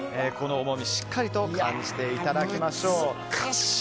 この重み、しっかりと感じていただきましょう。